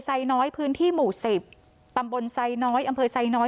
ไซน้อยพื้นที่หมู่สิบตำบลไซน้อยอำเภอไซน้อย